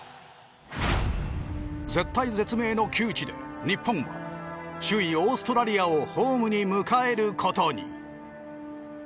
絶体絶命の窮地で日本は首位オーストラリアをホームに迎えることに。